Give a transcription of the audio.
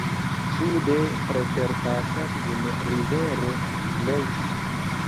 Sude preterpasas ĝin rivero Leitha.